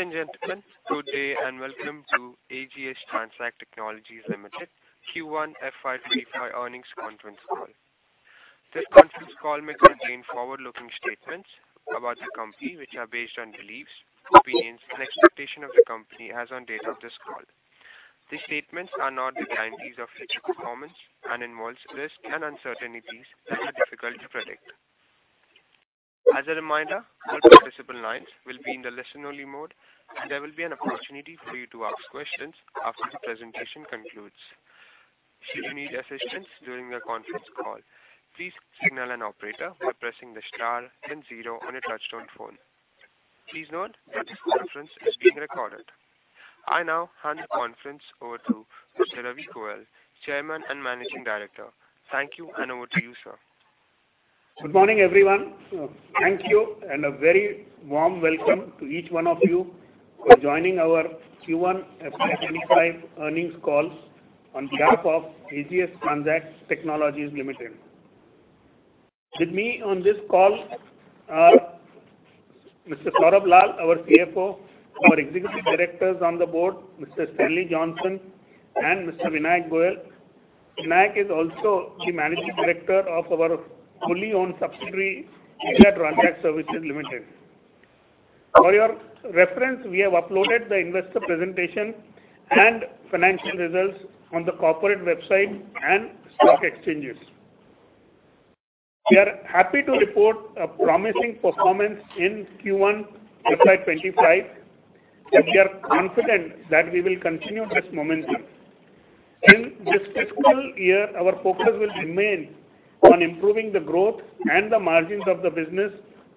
Ladies and gentlemen, good day, and welcome to AGS Transact Technologies Limited Q1 FY25 earnings conference call. This conference call may contain forward-looking statements about the company, which are based on beliefs, opinions, and expectation of the company as on date of this call. These statements are not guarantees of future performance and involves risks and uncertainties that are difficult to predict. As a reminder, all participant lines will be in the listen-only mode, and there will be an opportunity for you to ask questions after the presentation concludes. Should you need assistance during the conference call, please signal an operator by pressing the star then zero on your touchtone phone. Please note that this conference is being recorded. I now hand the conference over to Mr. Ravi Goyal, Chairman and Managing Director. Thank you, and over to you, sir. Good morning, everyone. Thank you, and a very warm welcome to each one of you for joining our Q1 FY 2025 earnings call on behalf of AGS Transact Technologies Limited. With me on this call are Mr. Saurabh Lal, our CFO, our Executive Directors on the board, Mr. Stanley Johnson and Mr. Vinayak Goyal. Vinayak is also the Managing Director of our fully owned subsidiary, India Transact Services Limited. For your reference, we have uploaded the investor presentation and financial results on the corporate website and stock exchanges. We are happy to report a promising performance in Q1 FY 2025, and we are confident that we will continue this momentum. In this fiscal year, our focus will remain on improving the growth and the margins of the business,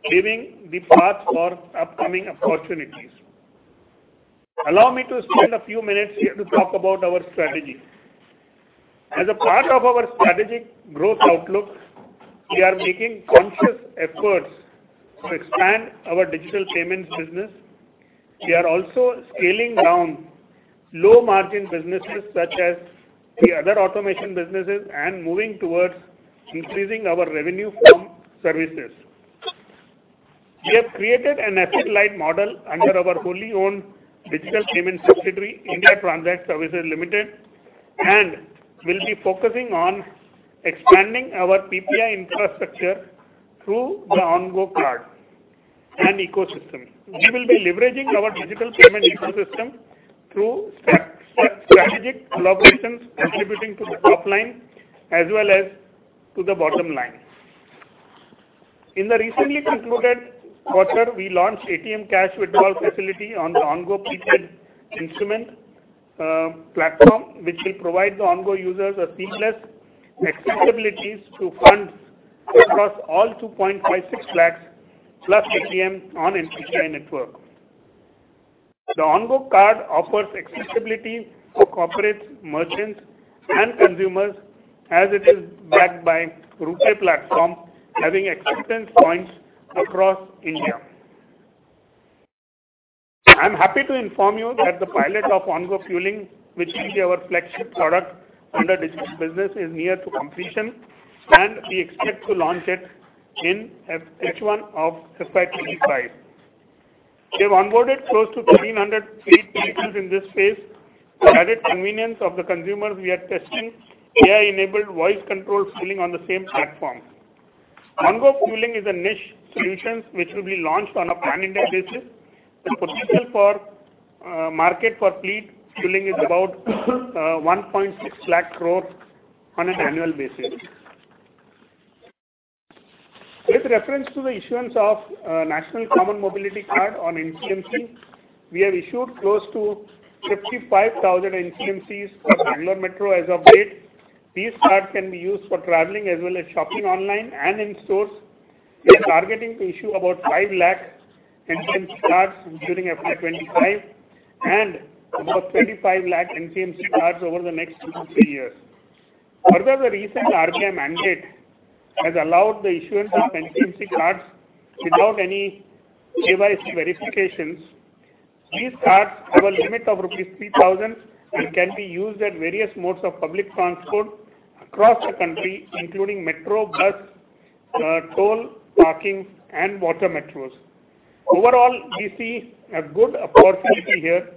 paving the path for upcoming opportunities. Allow me to spend a few minutes here to talk about our strategy. As a part of our strategic growth outlook, we are making conscious efforts to expand our digital payments business. We are also scaling down low-margin businesses, such as the other automation businesses, and moving towards increasing our revenue from services. We have created an asset-light model under our wholly owned digital payment subsidiary, India Transact Services Limited, and will be focusing on expanding our PPI infrastructure through the Ongo card and ecosystem. We will be leveraging our digital payment ecosystem through strategic collaborations, contributing to the top line as well as to the bottom line. In the recently concluded quarter, we launched ATM cash withdrawal facility on the Ongo prepaid instrument platform, which will provide the Ongo users a seamless accessibility to funds across all 256,000+ ATMs on NPCI network. The Ongo Card offers accessibility to corporates, merchants, and consumers as it is backed by RuPay platform, having acceptance points across India. I'm happy to inform you that the pilot of Ongo Fueling, which will be our flagship product under digital business, is near to completion, and we expect to launch it in H1 of FY 2025. We've onboarded close to 1,300 fleet vehicles in this phase. For added convenience of the consumers, we are testing AI-enabled voice control fueling on the same platform. Ongo Fueling is a niche solution which will be launched on a pan-India basis. The potential for market for fleet fueling is about 1.6 lakh crore on an annual basis. With reference to the issuance of National Common Mobility Card or NCMC, we have issued close to 55,000 NCMCs for Bangalore Metro as of date. These cards can be used for traveling as well as shopping online and in stores. We are targeting to issue about 5 lakh NCMC cards during FY 2025 and about 35 lakh NCMC cards over the next two to three years. Further, the recent RBI mandate has allowed the issuance of NCMC cards without any KYC verifications. These cards have a limit of rupees 3,000 and can be used at various modes of public transport across the country, including metro, bus, toll, parking, and water metros. Overall, we see a good opportunity here.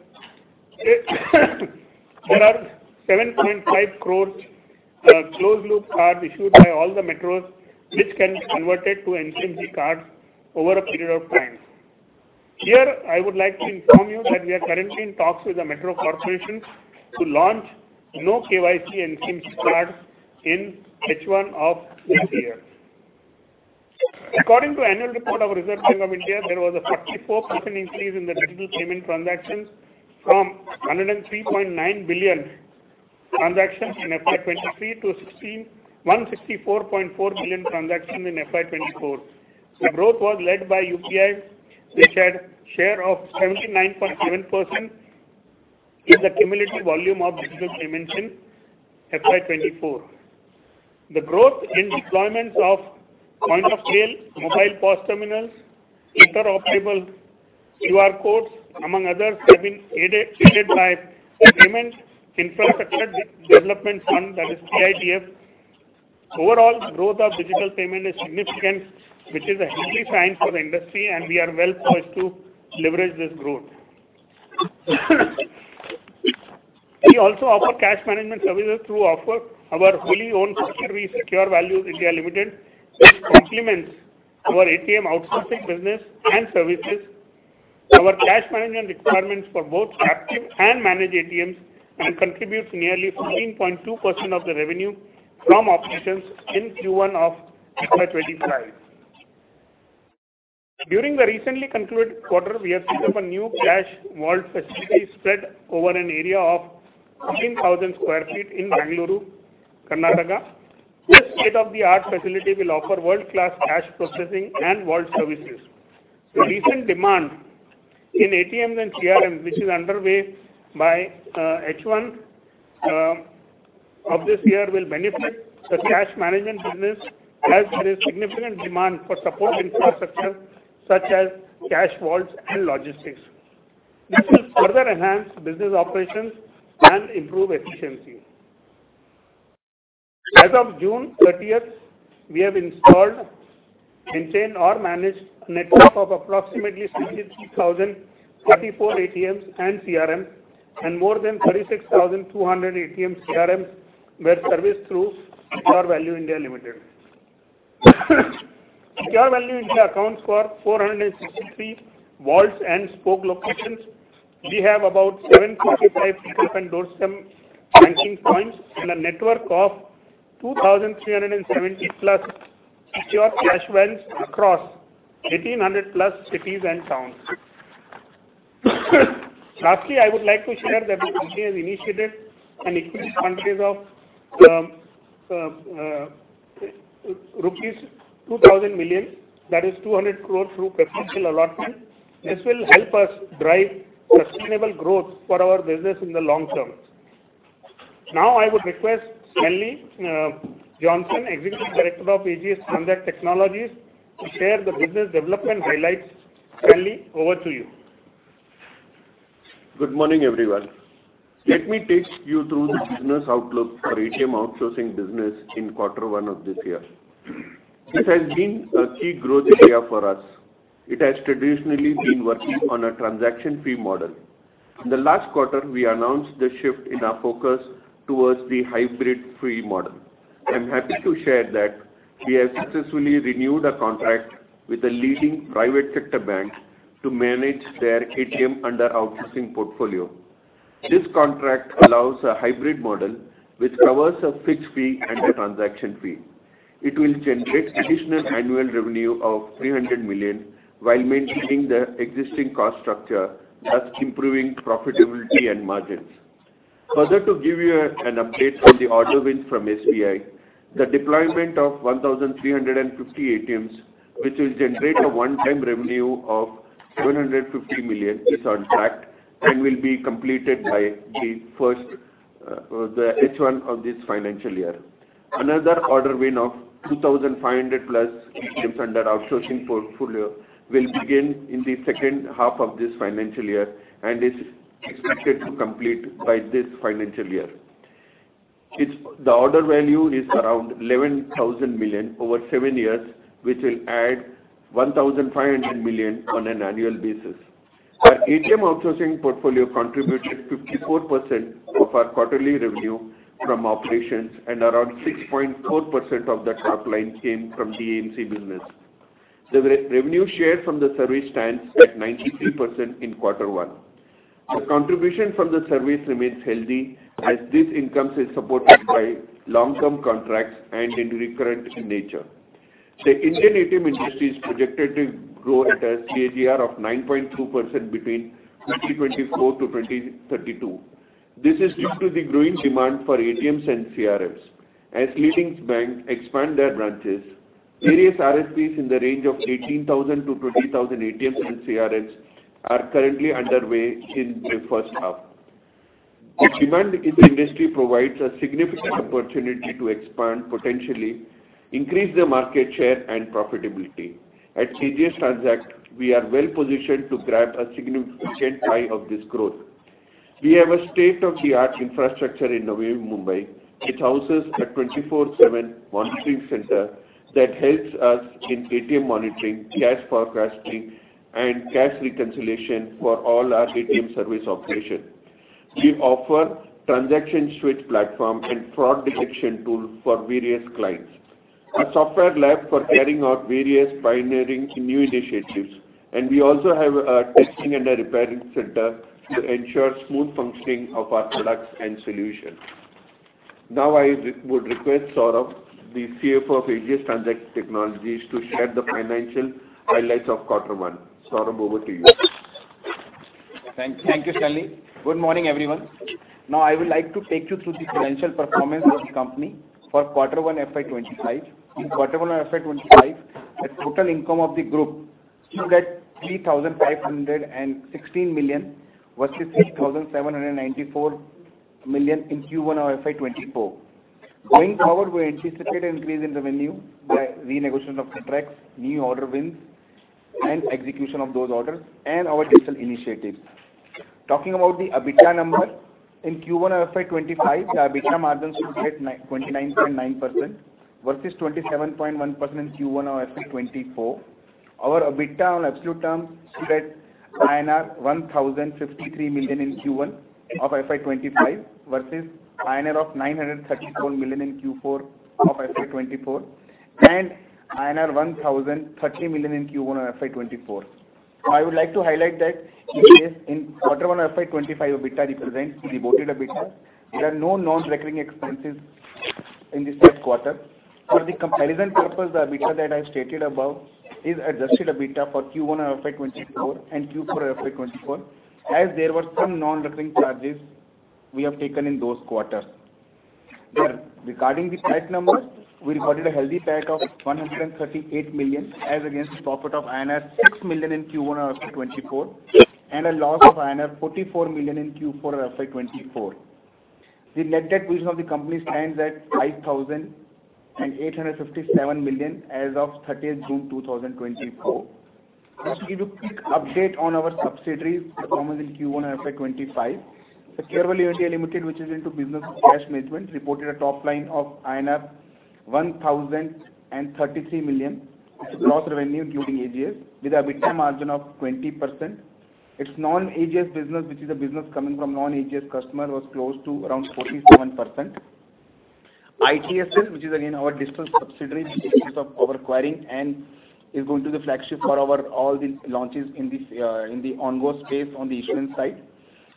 There are 7.5 crores closed loop cards issued by all the metros, which can be converted to NCMC cards over a period of time. Here, I would like to inform you that we are currently in talks with the Metro Corporation to launch no KYC NCMC cards in H1 of this year. According to annual report of Reserve Bank of India, there was a 54% increase in the digital payment transactions from 103.9 billion transactions in FY 2023 to 160.4 billion transactions in FY 2024. The growth was led by UPI, which had share of 79.7% in the cumulative volume of digital payments in FY 2024. The growth in deployments of point-of-sale, mobile POS terminals, interoperable QR codes, among others, have been aided by the Payment Infrastructure Development Fund, that is PIDF. Overall, growth of digital payment is significant, which is a healthy sign for the industry, and we are well poised to leverage this growth. We also offer cash management services through our wholly owned subsidiary, Secure Value India Limited, which complements our ATM outsourcing business and services, our cash management requirements for both captive and managed ATMs, and contributes nearly 14.2% of the revenue from operations in Q1 of FY 2025. During the recently concluded quarter, we have set up a new cash vault facility spread over an area of 15,000 sq ft in Bengaluru, Karnataka. This state-of-the-art facility will offer world-class cash processing and vault services. The recent demand in ATMs and CRMs, which is underway by H1 of this year, will benefit the cash management business, as there is significant demand for support infrastructure such as cash vaults and logistics. This will further enhance business operations and improve efficiency. As of June 30, we have installed, maintained, or managed a network of approximately 63,044 ATMs and CRMs, and more than 36,200 ATMs, CRMs were serviced through Secure Value India Limited. Secure Value India accounts for 463 vaults and spoke locations. We have about 755 pick-up and doorstep branching points and a network of 2,370+ secure cash vans across 1,800+ cities and towns. Lastly, I would like to share that the company has initiated an equity purchase of rupees 2,000 million, that is 200 crore, through preferential allotment. This will help us drive sustainable growth for our business in the long term. Now, I would request Stanley Johnson, Executive Director of AGS Transact Technologies, to share the business development highlights. Stanley, over to you. Good morning, everyone. Let me take you through the business outlook for ATM outsourcing business in quarter one of this year. This has been a key growth area for us. It has traditionally been working on a transaction fee model. In the last quarter, we announced the shift in our focus towards the hybrid fee model. I'm happy to share that we have successfully renewed a contract with a leading private sector bank to manage their ATM under outsourcing portfolio. This contract allows a hybrid model which covers a fixed fee and a transaction fee. It will generate additional annual revenue of 300 million while maintaining the existing cost structure, thus improving profitability and margins. Further, to give you a an update on the order win from SBI, the deployment of 1,350 ATMs, which will generate a one-time revenue of 750 million, is on track and will be completed by the first, the H1 of this financial year. Another order win of 2,500+ ATMs under outsourcing portfolio will begin in the second half of this financial year and is expected to complete by this financial year. It's. The order value is around 11,000 million over seven years, which will add 1,500 million on an annual basis. Our ATM outsourcing portfolio contributed 54% of our quarterly revenue from operations, and around 6.4% of the top line came from AMC business. The revenue share from the service stands at 93% in quarter one. The contribution from the service remains healthy, as this income is supported by long-term contracts and is recurrent in nature. The Indian ATM industry is projected to grow at a CAGR of 9.2% between 2024 to 2032. This is due to the growing demand for ATMs and CRMs. As leading banks expand their branches, various RFPs in the range of 18,000-20,000 ATMs and CRMs are currently underway in the first half. The demand in the industry provides a significant opportunity to expand, potentially increase the market share and profitability. At AGS Transact, we are well positioned to grab a significant pie of this growth. We have a state-of-the-art infrastructure in Navi Mumbai. It houses a 24/7 monitoring center that helps us in ATM monitoring, cash forecasting, and cash reconciliation for all our ATM service operations. We offer transaction switch platform and fraud detection tool for various clients. Our software lab for carrying out various pioneering new initiatives, and we also have a testing and a repairing center to ensure smooth functioning of our products and solutions. Now, I would request Saurabh, the CFO of AGS Transact Technologies, to share the financial highlights of quarter one. Saurabh, over to you. Thank you, Stanley. Good morning, everyone. Now, I would like to take you through the financial performance of the company for quarter 1, FY 2025. In quarter 1 of FY 2025, the total income of the group stood at 3,516 million versus 3,794 million in Q1 of FY 2024. Going forward, we anticipate an increase in revenue by renegotiation of contracts, new order wins, and execution of those orders, and our digital initiatives... Talking about the EBITDA number, in Q1 of FY 2025, the EBITDA margins stood at 29.9% versus 27.1% in Q1 of FY 2024. Our EBITDA on absolute terms stood at INR 1,053 million in Q1 of FY 2025, versus 931 million INR in Q4 of FY 2024, and INR 1,030 million in Q1 of FY 2024. I would like to highlight that in this, in quarter 1 of FY 2025, EBITDA represents reported EBITDA. There are no non-recurring expenses in this first quarter. For the comparison purpose, the EBITDA that I've stated above is adjusted EBITDA for Q1 of FY 2024 and Q4 of FY 2024, as there were some non-recurring charges we have taken in those quarters. Then, regarding the PAT number, we reported a healthy PAT of 138 million, as against a profit of INR 6 million in Q1 of FY 2024, and a loss of INR 44 million in Q4 of FY 2024. The net debt position of the company stands at 5,857 million as of thirtieth June 2024. Just to give you a quick update on our subsidiaries performance in Q1 of FY 25. Secure Value India Limited, which is into business of cash management, reported a top line of INR 1,033 million, which is gross revenue including AGS, with a EBITDA margin of 20%. Its non-AGS business, which is a business coming from non-AGS customer, was close to around 47%. ITSL, which is again our digital subsidiary, which is of our acquiring and is going to be the flagship for our all the launches in this, in the Ongo space on the issuance side.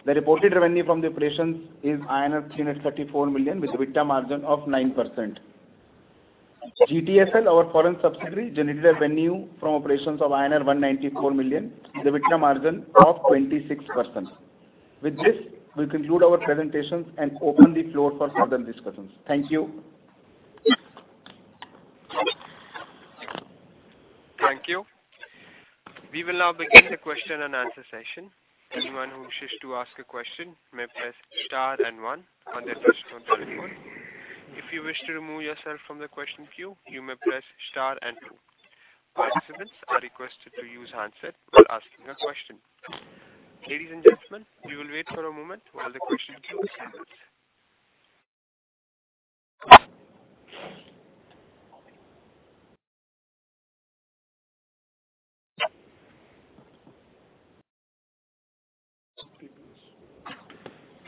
The reported revenue from the operations is INR 334 million, with EBITDA margin of 9%. GTSL, our foreign subsidiary, generated a revenue from operations of INR 194 million, with EBITDA margin of 26%. With this, we conclude our presentation and open the floor for further discussions. Thank you. Thank you. We will now begin the question and answer session. Anyone who wishes to ask a question may press star and one on their telephone keypad. If you wish to remove yourself from the question queue, you may press star and two. Participants are requested to use handset while asking a question. Ladies and gentlemen, we will wait for a moment while the question queue is handled.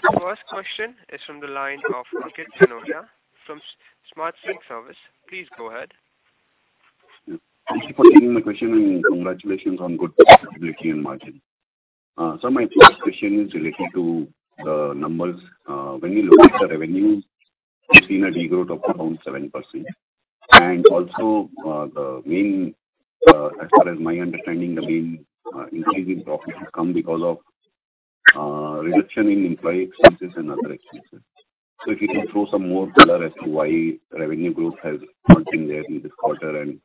The first question is from the line of Ankit Sanodiya from Smart Sync Services. Please go ahead. Thank you for taking my question, and congratulations on good profitability and margin. So my first question is related to the numbers. When you look at the revenue, you've seen a degrowth of around 7%. And also, the main, as far as my understanding, the main, increase in profit has come because of, reduction in employee expenses and other expenses. So if you can throw some more color as to why revenue growth has not been there in this quarter, and,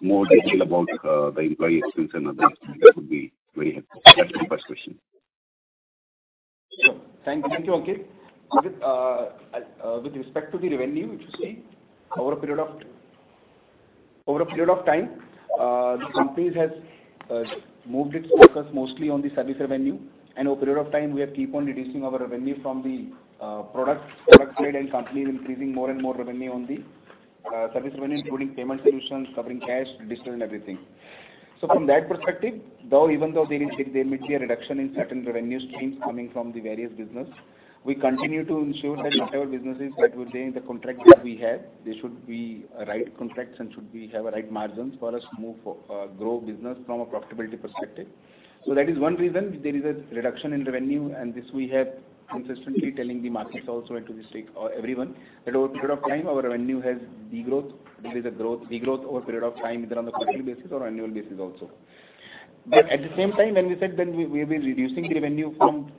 more detail about, the employee expense and other expense, that would be very helpful. That's my first question. Thank you, Ankit. With respect to the revenue, if you see, over a period of time, the company has moved its focus mostly on the service revenue, and over a period of time, we have keep on reducing our revenue from the product side and continuously increasing more and more revenue on the service revenue, including payment solutions, covering cash, digital and everything. So from that perspective, though, even though there may be a reduction in certain revenue streams coming from the various business, we continue to ensure that whatever businesses that we're there in the contract that we have, they should be right contracts and should be, have a right margins for us to move, grow business from a profitability perspective. So that is one reason there is a reduction in revenue, and this we have consistently telling the markets also and to the stakeholders, or everyone, that over a period of time, our revenue has degrowth. There is a growth, degrowth over a period of time, either on a quarterly basis or annual basis also. But at the same time, when we said that we will be reducing the revenue from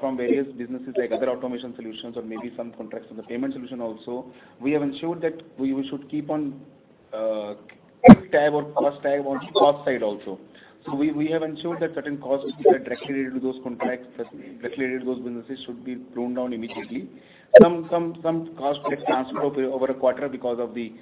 from various businesses, like other automation solutions or maybe some contracts on the payment solution also, we have ensured that we should keep on keep tabs on the cost side also. So we have ensured that certain costs which are directly related to those contracts, directly related to those businesses, should be pruned down immediately. Some costs get transferred over a quarter because of the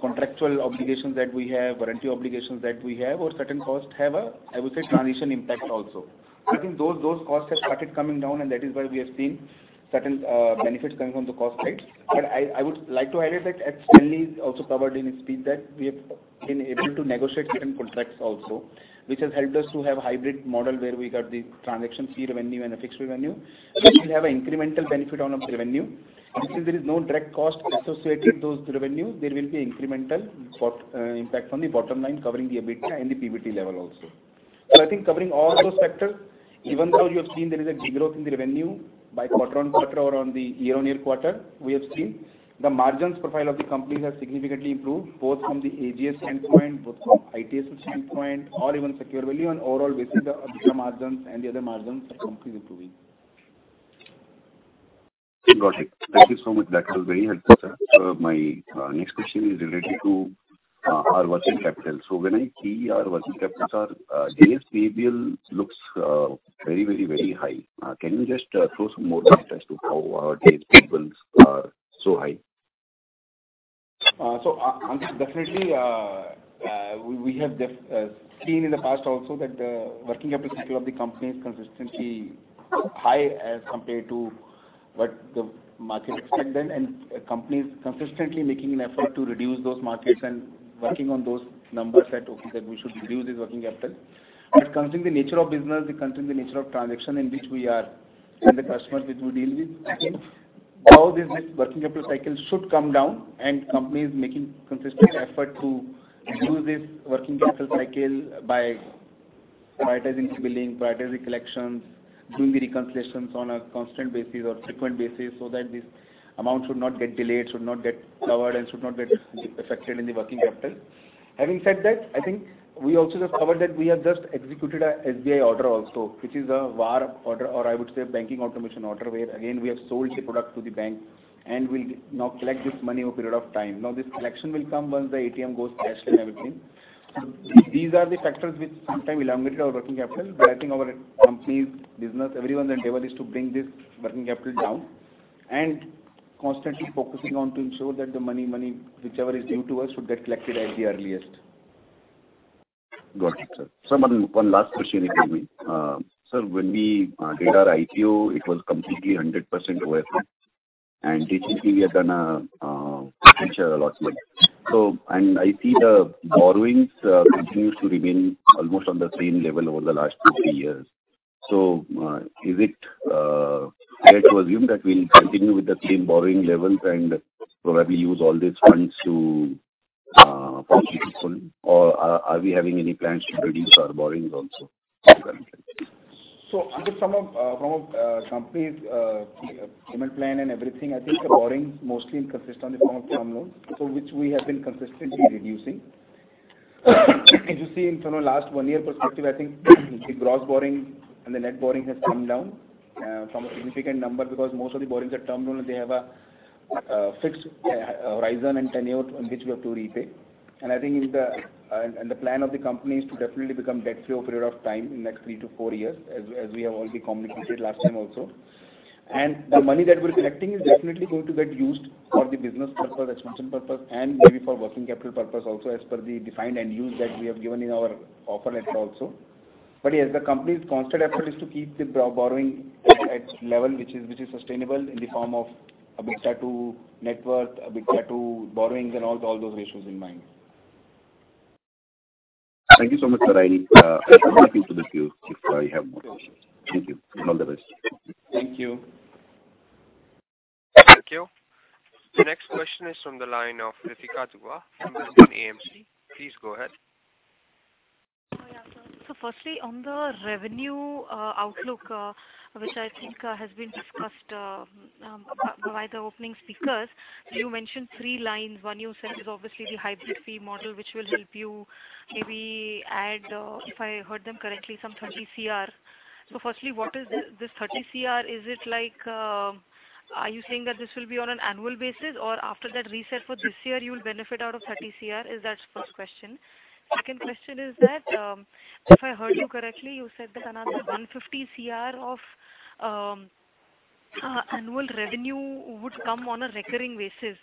contractual obligations that we have, warranty obligations that we have, or certain costs have a, I would say, transition impact also. I think those costs have started coming down, and that is why we have seen certain benefits coming from the cost side. But I would like to highlight that as Stanley also covered in his speech, that we have been able to negotiate certain contracts also, which has helped us to have a hybrid model where we got the transaction fee revenue and a fixed revenue. We have an incremental benefit on our revenue. Since there is no direct cost associated to those revenue, there will be incremental impact on the bottom line, covering the EBITDA and the PBT level also. So, I think covering all those sectors, even though you have seen there is a degrowth in the revenue quarter-over-quarter or year-over-year, we have seen the margins profile of the company has significantly improved, both from the AGS standpoint, both from ITSL standpoint, or even Secure Value on overall basis. The EBITDA margins and the other margins for company is improving. Got it. Thank you so much. That was very helpful, sir. My next question is related to our working capital. So when I see our working capital, sir, days payable looks very, very, very high. Can you just throw some more light as to how our days payables are so high? ... So, definitely, we have seen in the past also that the working capital cycle of the company is consistently high as compared to what the market expected, and the company is consistently making an effort to reduce those markets and working on those numbers that, okay, that we should reduce this working capital. But considering the nature of business, considering the nature of transaction in which we are, and the customers which we deal with, I think all this working capital cycle should come down, and company is making consistent effort to reduce this working capital cycle by prioritizing the billing, prioritizing collections, doing the reconciliations on a constant basis or frequent basis so that this amount should not get delayed, should not get covered, and should not get affected in the working capital. Having said that, I think we also just covered that we have just executed a SBI order also, which is a VAR order, or I would say a banking automation order, where again, we have sold the product to the bank and we'll now collect this money over a period of time. Now, this collection will come once the ATM goes cash and everything. These are the factors which sometimes elongate our working capital. But I think our company's business, everyone's endeavor is to bring this working capital down and constantly focusing on to ensure that the money, money whichever is due to us should get collected at the earliest. Got it, sir. So one last question again. Sir, when we did our IPO, it was completely 100% oversubscribed, and digitally we have done full allotment. So and I see the borrowings continues to remain almost on the same level over the last two, three years. So, is it fair to assume that we'll continue with the same borrowing levels and probably use all these funds to, or are we having any plans to reduce our borrowings also currently? So under some of from a company's payment plan and everything, I think the borrowing mostly consist on the form of term loans, so which we have been consistently reducing. As you see in terms of last 1-year perspective, I think the gross borrowing and the net borrowing has come down from a significant number because most of the borrowings are term loans, they have a fixed horizon and tenure on which we have to repay. And I think in the and the plan of the company is to definitely become debt-free over a period of time in the next three to four years, as we have already communicated last time also. The money that we're collecting is definitely going to get used for the business purpose, expansion purpose, and maybe for working capital purpose also, as per the defined end use that we have given in our offer letter also. But yes, the company's constant effort is to keep the borrowing at a level which is sustainable in the form of adjusted debt to net worth, adjusted debt to borrowings and all those ratios in mind. Thank you so much, Sir. I, I'll get into the queue if I have more questions. Sure. Thank you, and all the best. Thank you. Thank you. The next question is from the line of Ritika Dua from Kotak AMC. Please go ahead. Hi, yeah. So firstly, on the revenue outlook, which I think has been discussed by the opening speakers. You mentioned three lines. One you said is obviously the hybrid fee model, which will help you maybe add, if I heard them correctly, some 30 crore. So firstly, what is this 30 crore? Is it like... Are you saying that this will be on an annual basis, or after that reset for this year, you'll benefit out of 30 crore? Is that first question. Second question is that, if I heard you correctly, you said that another 150 crore of annual revenue would come on a recurring basis.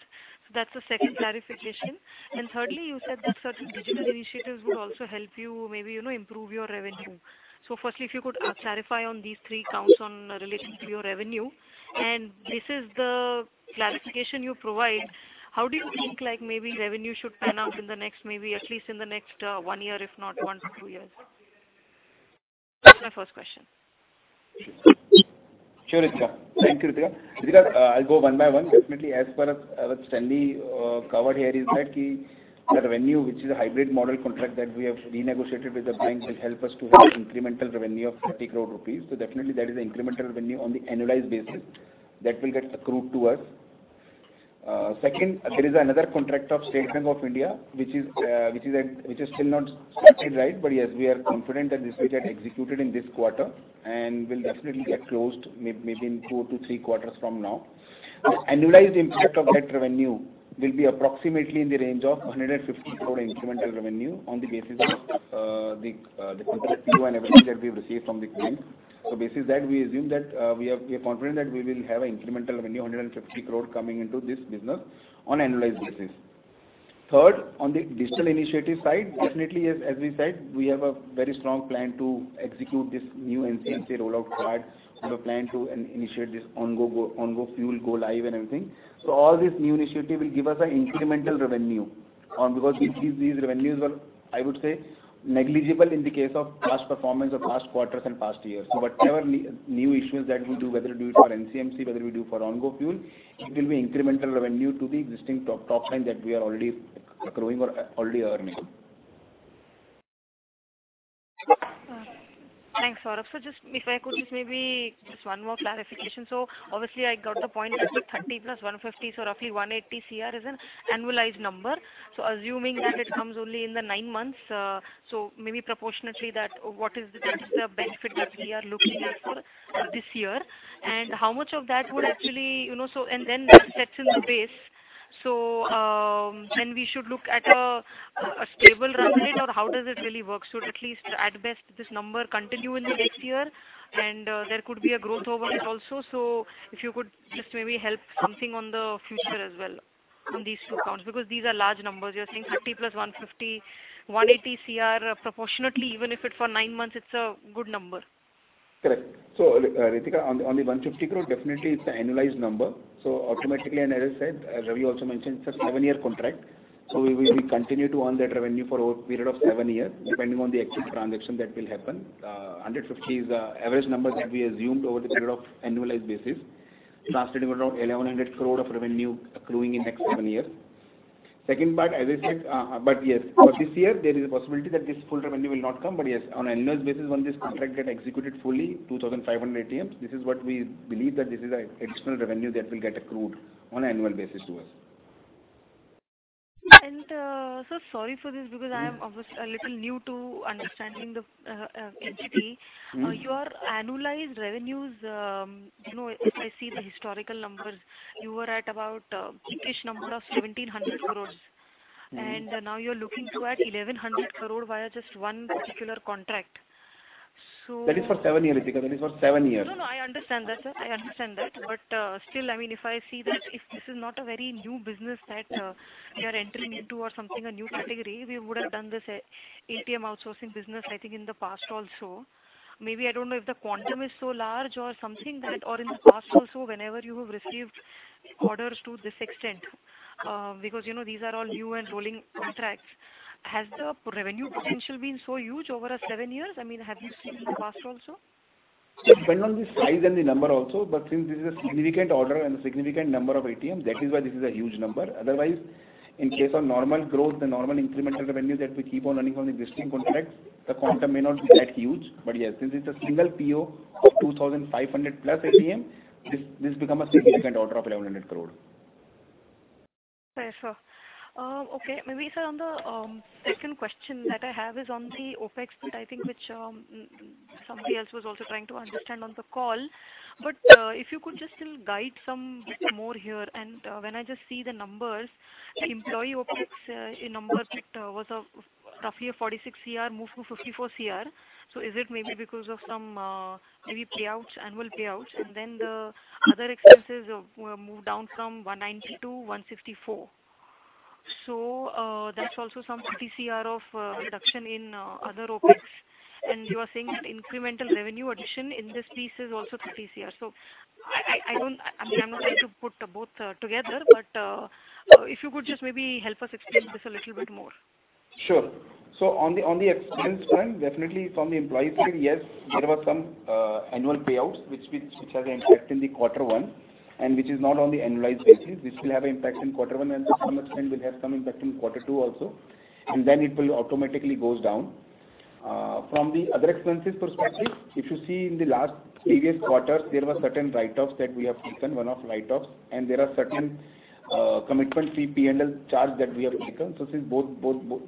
So that's the second clarification. And thirdly, you said that certain digital initiatives would also help you maybe, you know, improve your revenue. So firstly, if you could, clarify on these three counts on relating to your revenue, and this is the clarification you provide, how do you think like maybe revenue should pan out in the next, maybe at least in the next, one year, if not one to two years? That's my first question. Sure, Ritika. Thank you, Ritika. Ritika, I'll go one by one. Definitely, as per what Stanley covered here is that the revenue, which is a hybrid model contract that we have renegotiated with the bank, will help us to have incremental revenue of 30 crore rupees. So definitely that is the incremental revenue on the annualized basis that will get accrued to us. Second, there is another contract of State Bank of India, which is still not signed, right? But yes, we are confident that this will get executed in this quarter and will definitely get closed maybe in two to three quarters from now. The annualized impact of that revenue will be approximately in the range of 150 crore incremental revenue on the basis of the contract fee and everything that we've received from the client. So based on that, we assume that we are confident that we will have an incremental revenue of 150 crore coming into this business on an annualized basis. Third, on the digital initiative side, definitely, as we said, we have a very strong plan to execute this new NCMC rollout part. We have a plan to initiate this Ongo Fueling go live and everything. So all this new initiative will give us an incremental revenue because these revenues are, I would say, negligible in the case of past performance or past quarters and past years. So whatever new issues that we do, whether we do it for NCMC, whether we do for Ongo fuel, it will be incremental revenue to the existing top, top line that we are already growing or already earning. Thanks, Saurabh. So just if I could just maybe just one more clarification. So obviously, I got the point that the 30 + 150, so roughly 180 crore is an annualized number. So assuming that it comes only in the nine months, so maybe proportionately, that, what is the, the benefit that we are looking at for this year? And how much of that would actually... You know, so and then that sets in the base. So, when we should look at a stable revenue or how does it really work? So at least at best, this number continue in the next year, and, there could be a growth over it also. So if you could just maybe help something on the future as well on these two counts, because these are large numbers. saying 50 crore + 150 crore, 180 crore proportionately, even if it's for 9 months, it's a good number. Correct. So, Ritika, on the, on the 150 crore, definitely it's an annualized number. So automatically, and as I said, as Ravi also mentioned, it's a 7-year contract, so we will continue to earn that revenue for over a period of 7 years, depending on the actual transaction that will happen. Hundred and fifty is the average number that we assumed over the period of annualized basis, translating around 1,100 crore of revenue accruing in next 7 years. Second part, as I said, but yes- Okay. For this year, there is a possibility that this full revenue will not come, but yes, on an annual basis, once this contract get executed fully, 2,500 ATMs, this is what we believe that this is an additional revenue that will get accrued on an annual basis to us. So sorry for this, because I am obviously a little new to understanding the HDFC. Mm-hmm. Your annualized revenues, you know, if I see the historical numbers, you were at about average number of 1,700 crore. Mm-hmm. Now you're looking to add 1,100 crore via just one particular contract. So- That is for seven years, Ritika. That is for seven years. No, no, I understand that, sir. I understand that. But, still, I mean, if I see that if this is not a very new business that, you are entering into or something, a new category, we would have done this, ATM outsourcing business, I think, in the past also. Maybe I don't know if the quantum is so large or something that or in the past also, whenever you have received orders to this extent, because, you know, these are all new and rolling contracts. Has the revenue potential been so huge over a seven years? I mean, have you seen in the past also? It depends on the size and the number also, but since this is a significant order and a significant number of ATMs, that is why this is a huge number. Otherwise, in case of normal growth, the normal incremental revenue that we keep on earning from the existing contracts, the quantum may not be that huge. But yes, this is a single PO of 2,500+ ATMs. This becomes a significant order of 1,100 crore. Right, sir. Okay, maybe, sir, on the second question that I have is on the OpEx, I think, which somebody else was also trying to understand on the call. But if you could just still guide some bit more here. And when I just see the numbers, the employee OpEx in numbers, it was roughly a 46 crore move to 54 crore. So is it maybe because of some maybe payouts, annual payouts? And then the other expenses have moved down from 190 crore to 154 crore. So that's also some INR 30 crore of reduction in other OpEx. And you are saying that incremental revenue addition in this piece is also 30 crore. So I don't... I'm not trying to put both together, but if you could just maybe help us explain this a little bit more. Sure. So on the expense front, definitely from the employee side, yes, there were some annual payouts which had an impact in quarter one and which is not on the annualized basis. This will have an impact in quarter one, and to some extent, will have some impact in quarter two also, and then it will automatically goes down. From the other expenses perspective, if you see in the last previous quarters, there were certain write-offs that we have taken, one-off write-offs, and there are certain commitment fee PNL charge that we have taken. So since both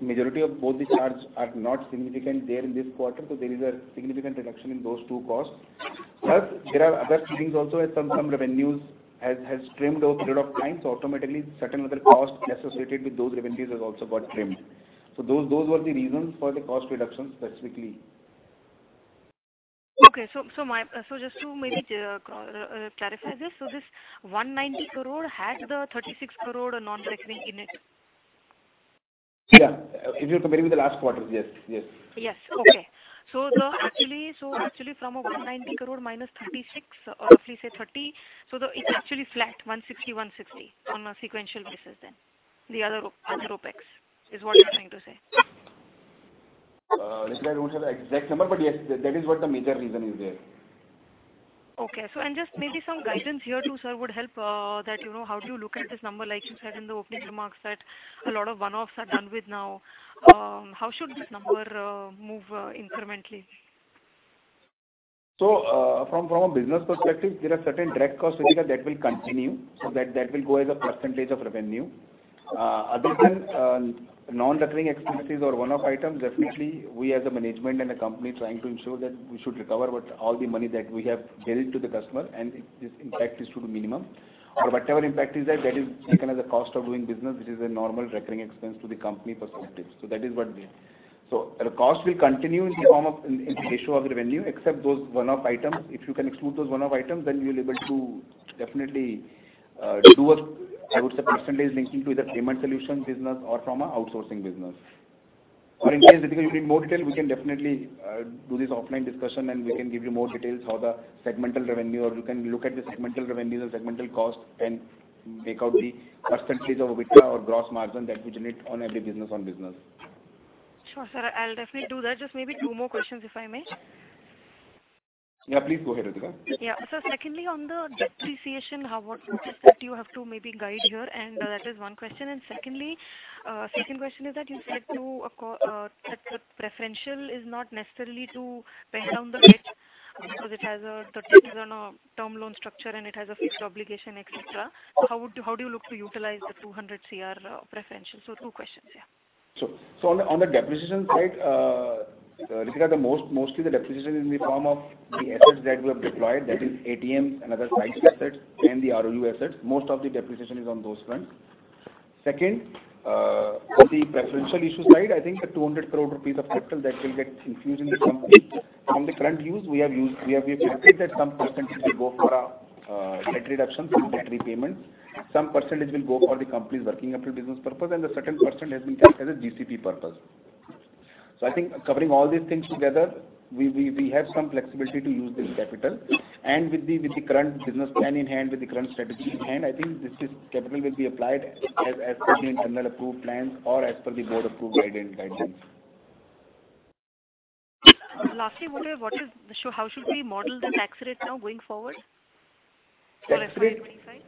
majority of both the charges are not significant there in this quarter, so there is a significant reduction in those two costs. Plus, there are other things also, as some revenues has trimmed over a period of time, so automatically certain other costs associated with those revenues has also got trimmed. So those were the reasons for the cost reduction specifically. Okay. So, just to maybe clarify this, so this 190 crore had the 36 crore non-recurring in it? Yeah. If you compare with the last quarter, yes, yes. Yes. Okay. So actually, so actually from 190 crore minus 36 crore or roughly say 30 crore, so the- it's actually flat, 160 crore, 160 crore on a sequential basis then, the other, other OpEx, is what you're trying to say? Ritika, I don't have the exact number, but yes, that is what the major reason is there. Okay. So and just maybe some guidance here, too, sir, would help, you know, how do you look at this number? Like you said in the opening remarks, that a lot of one-offs are done with now. How should this number move incrementally? So, from a business perspective, there are certain direct costs that will continue. So that will go as a percentage of revenue. Other than non-recurring expenses or one-off items, definitely, we as a management and a company trying to ensure that we should recover what all the money that we have given to the customer, and its impact is to the minimum. Or whatever impact is there, that is taken as a cost of doing business, which is a normal recurring expense to the company perspective. So that is what we have. So the cost will continue in the form of in ratio of revenue, except those one-off items. If you can exclude those one-off items, then you will able to definitely do a, I would say, percentage linking to either payment solution business or from a outsourcing business. Or, in case you need more detail, we can definitely do this offline discussion, and we can give you more details how the segmental revenue or you can look at the segmental revenues or segmental cost and make out the percentage of EBITDA or gross margin that we generate on every business on business. Sure, sir, I'll definitely do that. Just maybe two more questions, if I may. Yeah, please go ahead, Ritika. Yeah. So secondly, on the depreciation, how, what is that you have to maybe guide here? And that is one question. And secondly, second question is that you said that the preferential is not necessarily to weigh down the risk because it has a 30-year term loan structure, and it has a fixed obligation, et cetera. So how would you- how do you look to utilize the 200 crore preferential? So two questions, yeah. So, so on the, on the depreciation side, because mostly the depreciation is in the form of the assets that we have deployed, that is ATMs and other sites assets and the ROU assets. Most of the depreciation is on those fronts. Second, on the preferential issue side, I think the 200 crore rupees of capital that will get infused in the company. From the current use, we have decided that some percentage will go for, debt reduction, so debt repayment. Some percentage will go for the company's working capital business purpose, and the certain percent has been kept as a GCP purpose. So I think covering all these things together, we, we, we have some flexibility to use this capital. With the current business plan in hand, with the current strategy in hand, I think this capital will be applied as per the internal approved plans or as per the board-approved guidelines. Lastly, so how should we model the tax rate now going forward for FY 25? Tax rate?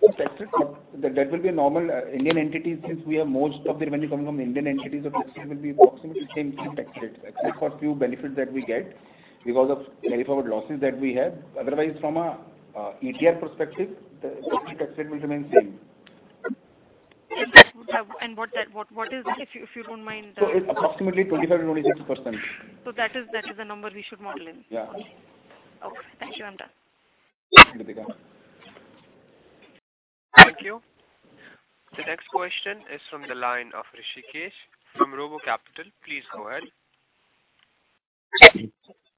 The tax rate, that will be a normal Indian entity, since we have most of the revenue coming from Indian entities, so the tax rate will be approximately same, same tax rate, except for a few benefits that we get because of many of our losses that we have. Otherwise, from a ETR perspective, the tax rate will remain same. What is that, if you don't mind? It's approximately 25%-26%. That is, that is the number we should model in? Yeah. Okay. Thank you. I'm done. Thank you, Ritika. Thank you. The next question is from the line of Rishikesh from Robo Capital. Please go ahead.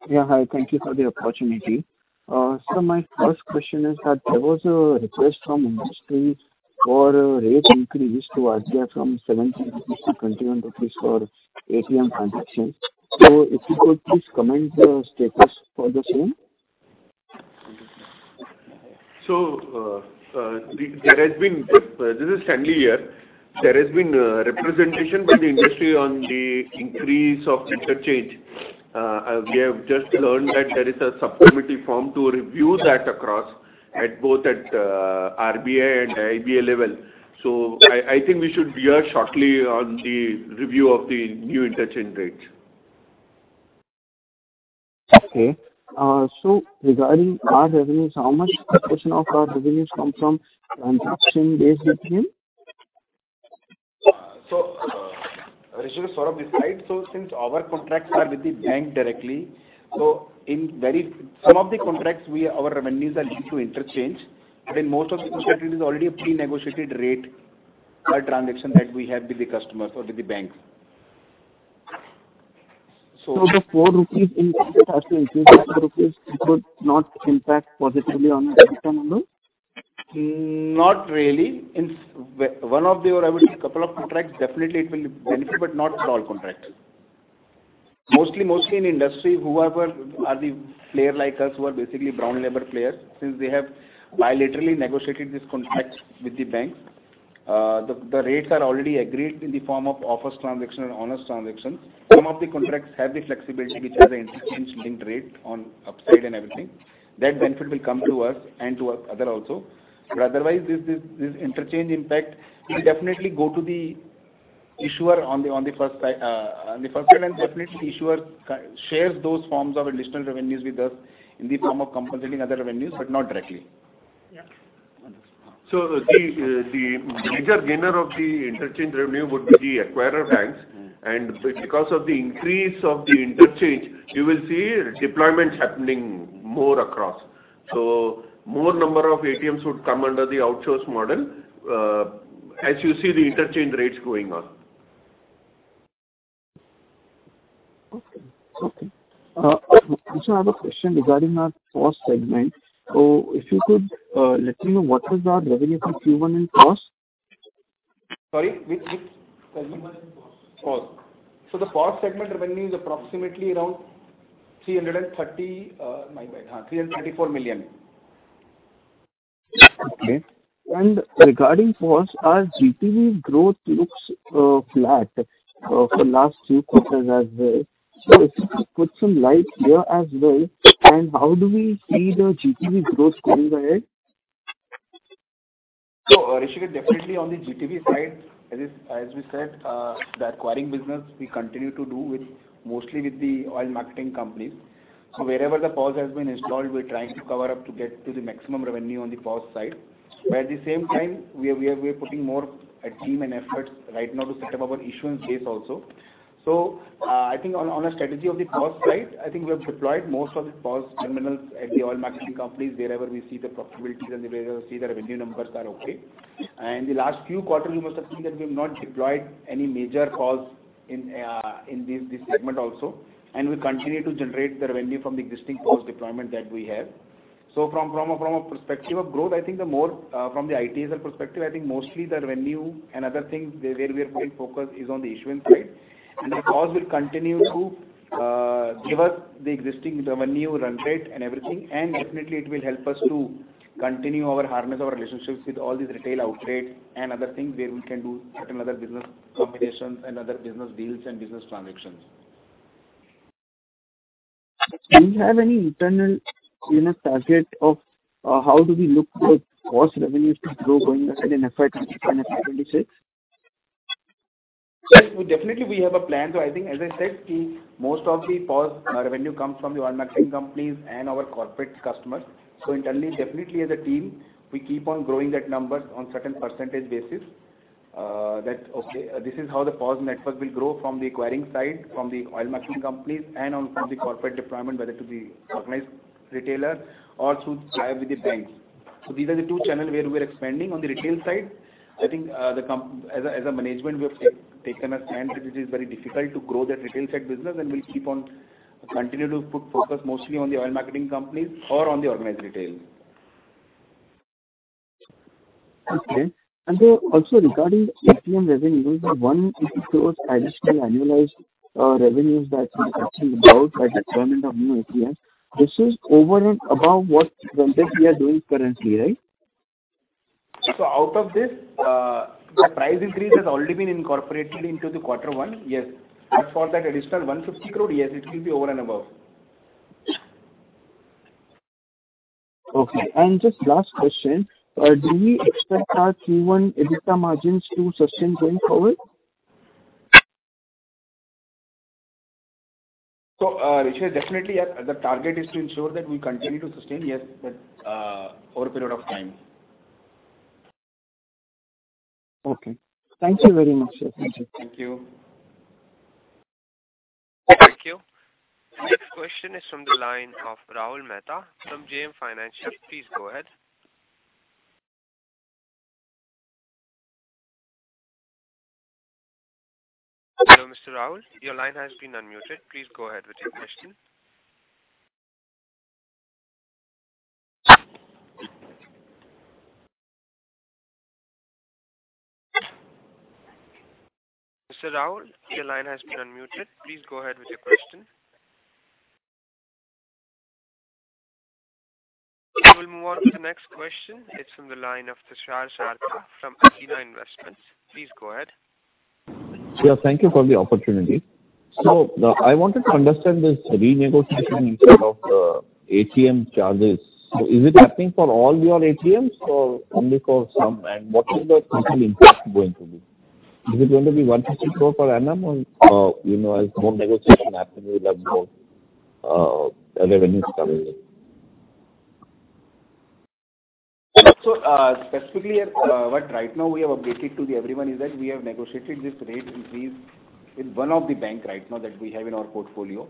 Yeah, hi. Thank you for the opportunity. So my first question is that there was a request from industry for a rate increase to RBI from INR 17 to INR 21 for ATM transactions. So if you could please comment the status for the same? This is Stanley here. There has been representation with the industry on the increase of interchange. We have just learned that there is a subcommittee formed to review that across at both RBI and IBA level. So I think we should hear shortly on the review of the new interchange rates. Okay. So regarding our revenues, how much percentage of our revenues come from transaction-based revenue? Rishikesh, Saurabh this side. So since our contracts are with the bank directly, so in some of the contracts, we, our revenues are linked to interchange. But in most of the contracts, it is already a pre-negotiated rate per transaction that we have with the customers or with the banks. So- The 4 rupees increase, 4 rupees it would not impact positively on the bottom number? Not really. In one of the, or I would say, couple of contracts, definitely it will benefit, but not for all contracts. Mostly in industry, whoever are the players like us, who are basically brown label players, since they have bilaterally negotiated these contracts with the banks, the rates are already agreed in the form of off-us transactions and on-us transactions. Some of the contracts have the flexibility, which has an interchange linked rate on upside and everything. That benefit will come to us and to other also. But otherwise, this interchange impact will definitely go to the issuer on the first side, and definitely the issuer shares those forms of additional revenues with us in the form of compensating other revenues, but not directly. Yeah. So the major gainer of the interchange revenue would be the acquirer banks. Mm. Because of the increase of the interchange, you will see deployments happening more across. More number of ATMs would come under the outsource model, as you see the interchange rates going up. Okay. Okay. I also have a question regarding our POS segment. So if you could, let me know, what is our revenue from Q1 in POS? Sorry, which, which? Q1 in POS. Oh. So the POS segment revenue is approximately around 330 million, my bad, 334 million. Okay. And regarding POS, our GTV growth looks flat for last few quarters as well. So if you could shed some light here as well, and how do we see the GTV growth going ahead? So, Rishikesh, definitely on the GTV side, as is, as we said, the acquiring business, we continue to do with, mostly with the oil marketing companies. So wherever the POS has been installed, we're trying to cover up to get to the maximum revenue on the POS side. But at the same time, we are putting more a team and effort right now to set up our issuance base also. So, I think on a strategy of the POS side, I think we have deployed most of the POS terminals at the oil marketing companies, wherever we see the profitability and wherever we see the revenue numbers are okay. The last few quarters, you must have seen that we have not deployed any major POS in this segment also, and we continue to generate the revenue from the existing POS deployment that we have. So from a perspective of growth, I think the more from the ITSL perspective, I think mostly the revenue and other things where we are putting focus is on the issuance side. The POS will continue to give us the existing revenue run rate and everything, and definitely it will help us to continue to harness our relationships with all these retail outlets and other things where we can do certain other business combinations and other business deals and business transactions. Do you have any internal, you know, target of, how do we look the POS revenues to grow going ahead in FY 25 and FY 26? Well, we definitely have a plan. So I think, as I said, the most of the POS revenue comes from the oil marketing companies and our corporate customers. So internally, definitely as a team, we keep on growing that numbers on certain percentage basis. This is how the POS network will grow from the acquiring side, from the oil marketing companies, and also from the corporate deployment, whether to the organized retailer or through tie-up with the banks. So these are the two channels where we're expanding. On the retail side, I think, the company, as a management, we have taken a stand that it is very difficult to grow that retail tech business, and we'll keep on continue to put focus mostly on the oil marketing companies or on the organized retail. Okay. And then also, regarding ATM revenue, the one additional annualized revenues that you actually brought by deployment of new ATMs, this is over and above what what we are doing currently, right? So out of this, the price increase has already been incorporated into the quarter one. Yes. As for that additional 150 crore, yes, it will be over and above. Okay. Just last question: do we expect our Q1 EBITDA margins to sustain going forward? Richard, definitely, yes, the target is to ensure that we continue to sustain, yes, that over a period of time. Okay. Thank you very much, sir. Thank you. Thank you. The next question is from the line of Rahul Mehta, from JM Financial. Please go ahead. Hello, Mr. Rahul, your line has been unmuted. Please go ahead with your question. Mr. Rahul, your line has been unmuted. Please go ahead with your question. We'll move on to the next question. It's from the line of Tushar Sarda from Athena Investments. Please go ahead. Yeah, thank you for the opportunity. So, I wanted to understand this renegotiation in terms of ATM charges. Is it happening for all your ATMs or only for some? And what is the total impact going to be? Is it going to be 150 crore per annum or, you know, as more negotiation happening with revenues coming in? So, specifically, what right now we have updated to the everyone is that we have negotiated this rate increase with one of the bank right now that we have in our portfolio,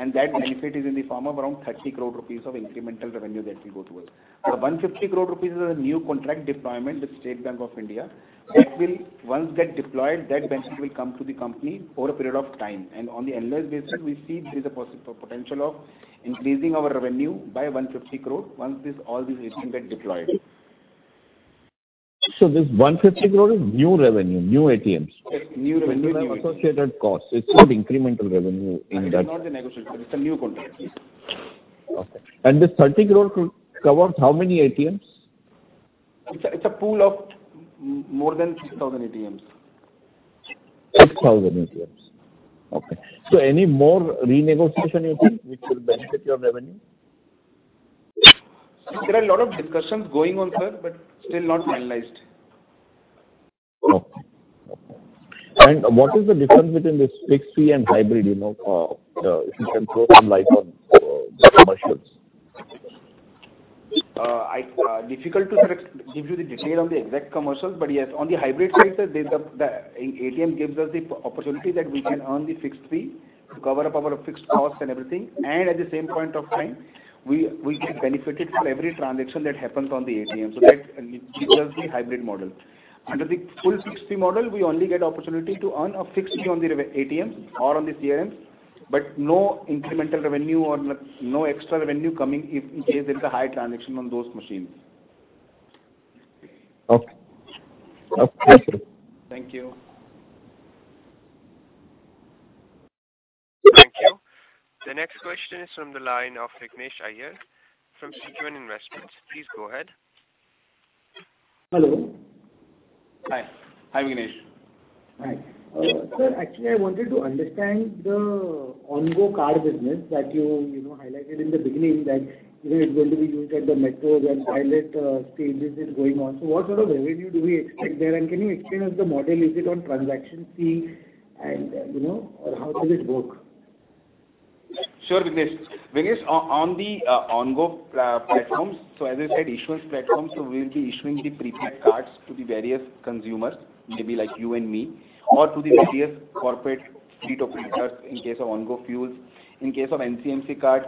and that benefit is in the form of around 30 crore rupees of incremental revenue that we go through. So 150 crore rupees is a new contract deployment with State Bank of India. That will, once get deployed, that benefit will come to the company over a period of time. And on the annual basis, we see there is a potential of increasing our revenue by 150 crore once this, all these ATMs get deployed. This 150 crore is new revenue, new ATMs? Yes, new revenue, new ATMs. Associated costs. It's not incremental revenue in that- It's not a negotiation. It's a new contract. Okay. This 30 crore covers how many ATMs? It's a pool of more than 6,000 ATMs. 6,000 ATMs. Okay. So any more renegotiation you think which will benefit your revenue? There are a lot of discussions going on, sir, but still not finalized. Okay. Okay. And what is the difference between this fixed fee and hybrid, you know, if you can throw some light on the commercials? It is difficult to give you the detail on the exact commercials, but yes, on the hybrid side, sir, the ATM gives us the opportunity that we can earn the fixed fee to cover up our fixed costs and everything. And at the same point of time, we get benefited for every transaction that happens on the ATM. So that gives us the hybrid model. Under the full fixed fee model, we only get opportunity to earn a fixed fee on the ATM or on the CRMs, but no incremental revenue or no extra revenue coming if in case there is a high transaction on those machines. Okay. Okay, thank you. Thank you. Thank you. The next question is from the line of Vignesh Iyer from Sequent Investments. Please go ahead. Hello. Hi. Hi, Vignesh. Hi. Sir, actually, I wanted to understand the Ongo Card business that you, you know, highlighted in the beginning that, you know, it's going to be used at the metros and pilot stages is going on. So what sort of revenue do we expect there? And can you explain us the model, is it on transaction fee and, you know, or how does it work? Sure, Vignesh. Vignesh, on the Ongo platforms, so as I said, issuance platforms, so we'll be issuing the prepaid cards to the various consumers, maybe like you and me, or to the various corporate fleet operators in case of Ongo fuels. In case of NCMC card,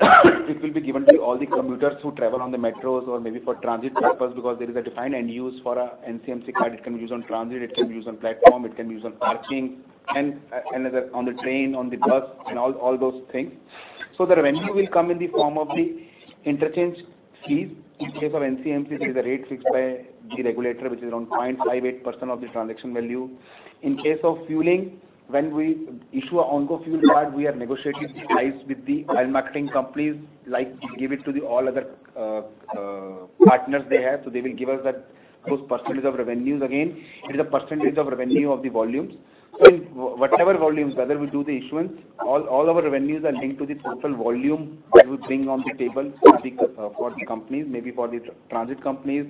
it will be given to all the commuters who travel on the metros or maybe for transit purpose, because there is a defined end use for a NCMC card. It can be used on transit, it can be used on platform, it can be used on parking and another, on the train, on the bus, and all those things. So the revenue will come in the form of the interchange fees. In case of NCMC, there is a rate fixed by the regulator, which is around 0.58% of the transaction value. In case of fueling, when we issue a Ongo Fuel card, we are negotiating the price with the oil marketing companies, like give it to the all other, partners they have. So they will give us that, those percentage of revenues again. It is a percentage of revenue of the volumes. So in whatever volumes, whether we do the issuance, all, all our revenues are linked to the total volume that we bring on the table for the, for the companies, maybe for the transit companies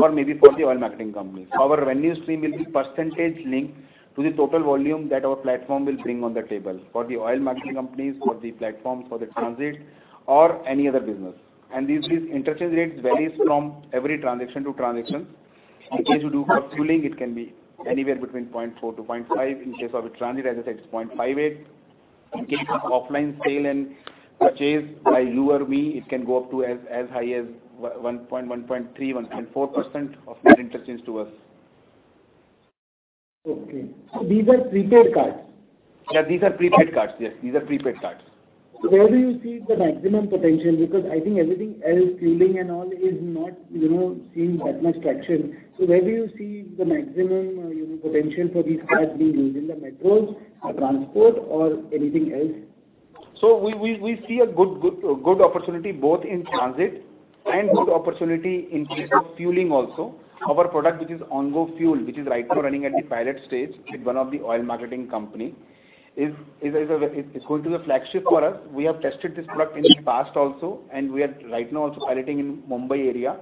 or maybe for the oil marketing companies. Our revenue stream will be percentage linked to the total volume that our platform will bring on the table for the oil marketing companies, for the platform, for the transit or any other business. And these, these interchange rates varies from every transaction to transaction. In case you do for fueling, it can be anywhere between 0.4%-0.5%. In case of a transit, as I said, it's 0.58%.... in case of offline sale and purchase by you or me, it can go up to as, as high as 0.1, 1.3, 1.4% of net interchange to us. Okay. So these are prepaid cards? Yeah, these are prepaid cards. Yes, these are prepaid cards. So where do you see the maximum potential? Because I think everything else, fueling and all, is not, you know, seeing that much traction. So where do you see the maximum, you know, potential for these cards being used, in the metros or transport or anything else? So we see a good opportunity both in transit and a good opportunity in case of fueling also. Our product, which is Ongo Fuel, which is right now running at the pilot stage with one of the oil marketing company, is. It's going to be a flagship for us. We have tested this product in the past also, and we are right now also piloting in Mumbai area.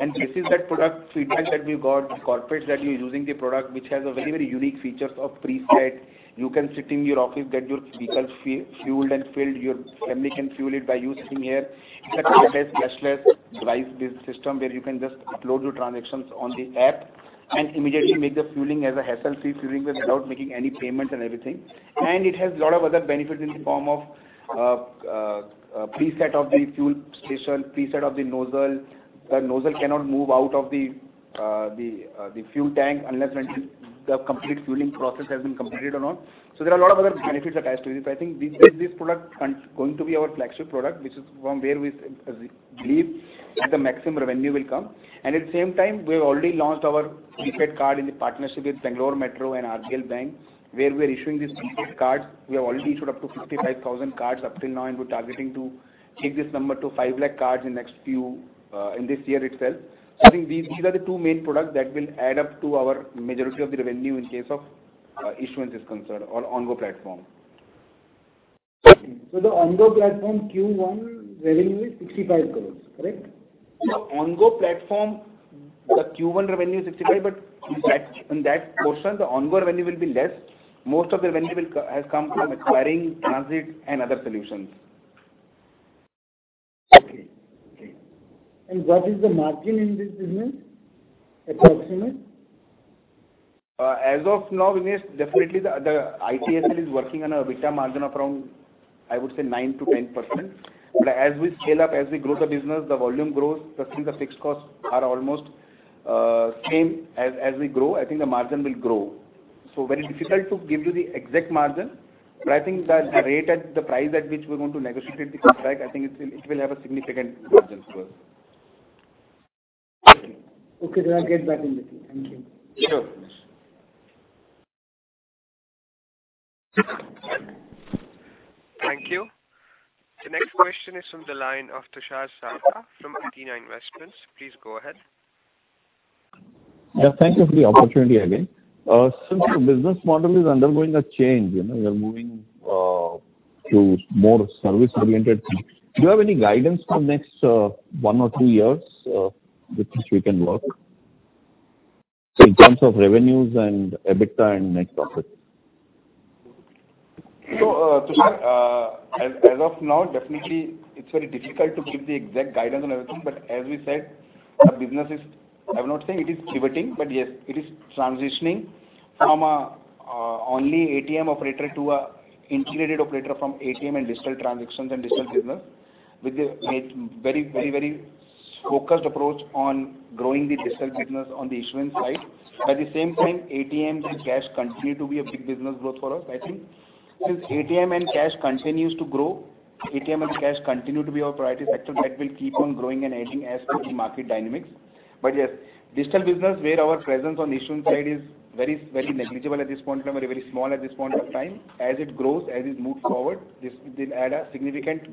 And this is that product feedback that we've got, the corporates that we're using the product, which has a very, very unique features of preset. You can sit in your office, get your vehicle fueled and filled, your family can fuel it by you sitting here. It's a cashless, cashless price-based system, where you can just upload your transactions on the app and immediately make the fueling as a hassle-free fueling without making any payments and everything. And it has a lot of other benefits in the form of preset of the fuel station, preset of the nozzle. The nozzle cannot move out of the fuel tank unless and until the complete fueling process has been completed or not. So there are a lot of other benefits attached to it. So I think this, this product is going to be our flagship product, which is from where we believe that the maximum revenue will come. And at the same time, we've already launched our prepaid card in the partnership with Bangalore Metro and RBL Bank, where we are issuing these prepaid cards. We have already issued up to 55,000 cards up till now, and we're targeting to take this number to 500,000 cards in the next few, in this year itself. So I think these, these are the two main products that will add up to our majority of the revenue in case of, issuance is concerned or Ongo platform. The Ongo platform, Q1 revenue is 65 crore, correct? The Ongo platform, the Q1 revenue is 65, but in that, in that portion, the Ongo revenue will be less. Most of the revenue will come from acquiring transit and other solutions. Okay. Okay. What is the margin in this business, approximate? As of now, Vignesh, definitely the, the ITSL is working on an EBITDA margin of around, I would say, 9%-10%. But as we scale up, as we grow the business, the volume grows, I think the fixed costs are almost same. As, as we grow, I think the margin will grow. So very difficult to give you the exact margin, but I think that the rate at, the price at which we're going to negotiate the contract, I think it will, it will have a significant margins growth. Okay. Okay, then I'll get back with you. Thank you. Sure, Vignesh. Thank you. The next question is from the line of Tushar Sarda from Athena Investments. Please go ahead. Yeah, thank you for the opportunity again. Since your business model is undergoing a change, you know, you are moving to more service-oriented things, do you have any guidance for next one or two years with which we can work? So in terms of revenues and EBITDA and net profit. So, Tushar, as of now, definitely it's very difficult to give the exact guidance on everything. But as we said, our business is... I'm not saying it is pivoting, but yes, it is transitioning from an only ATM operator to an integrated operator from ATM and digital transactions and digital business, with a very, very, very focused approach on growing the digital business on the issuance side. At the same time, ATM and cash continue to be a big business growth for us. I think since ATM and cash continues to grow, ATM and cash continue to be our priority sector, that will keep on growing and adding as per the market dynamics. But yes, digital business, where our presence on the issuance side is very, very negligible at this point in time, or very small at this point of time, as it grows, as it moves forward, this will add a significant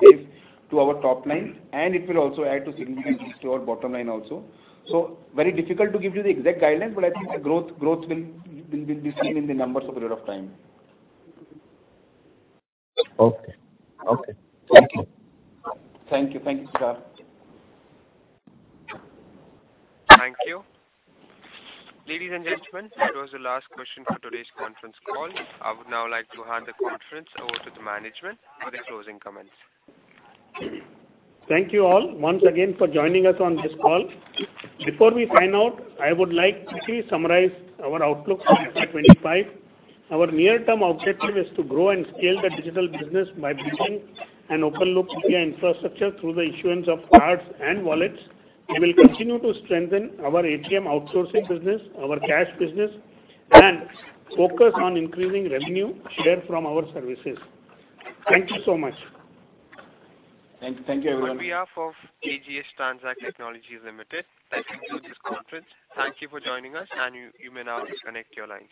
base to our top line, and it will also add significantly to our bottom line also. So, very difficult to give you the exact guideline, but I think the growth will be seen in the numbers over a period of time. Okay. Okay. Thank you. Thank you. Thank you, Tushar. Thank you. Ladies and gentlemen, that was the last question for today's conference call. I would now like to hand the conference over to the management for the closing comments. Thank you all once again for joining us on this call. Before we sign out, I would like to summarize our outlook for fiscal 25. Our near-term objective is to grow and scale the digital business by building an open loop API infrastructure through the issuance of cards and wallets. We will continue to strengthen our ATM outsourcing business, our cash business, and focus on increasing revenue share from our services. Thank you so much. Thank you, thank you, everyone. On behalf of AGS Transact Technologies Limited, I thank you for this conference. Thank you for joining us, and you, you may now disconnect your lines.